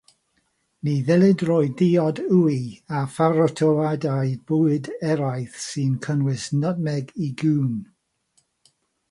Ni ddylid rhoi diod wy a pharatoadau bwyd eraill sy'n cynnwys nytmeg i gŵn.